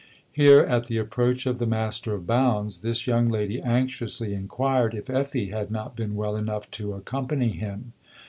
Here, at the approach of the master of Bounds, this young lady anxiously inquired if Effie had not been well enough to accompany him.